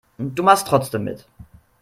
Du machst trotzdem mit.